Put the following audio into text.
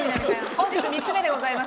本日３つ目でございます。